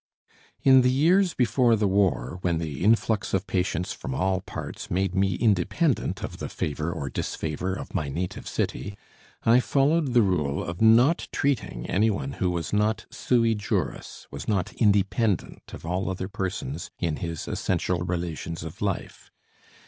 In the years before the war, when the influx of patients from all parts made me independent of the favor or disfavor of my native city, I followed the rule of not treating anyone who was not sui juris, was not independent of all other persons in his essential relations of life.